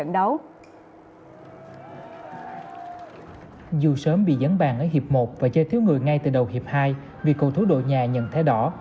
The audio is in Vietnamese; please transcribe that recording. dù sớm bị dẫn bàn ở hiệp một và chơi thiếu người ngay từ đầu hiệp hai vì cầu thủ đội nhà nhận thẻ đỏ